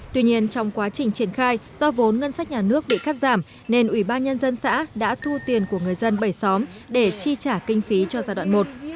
tuy nhiên trong quá trình triển khai do vốn ngân sách nhà nước bị cắt giảm nên ủy ban nhân dân xã đã thu tiền của người dân bảy xóm để chi trả kinh phí cho giai đoạn một